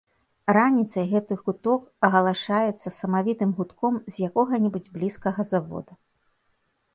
Раніцай гэты куток агалашаецца самавітым гудком з якога-небудзь блізкага завода.